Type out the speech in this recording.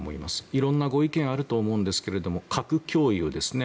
いろんなご意見があると思うんですが核共有ですね。